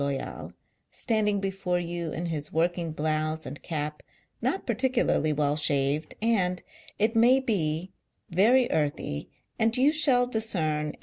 Loyal, standing before you in his working, blouse and cap, not particularly well shaved, and, it may be, very earthy, and you shall' discern in M.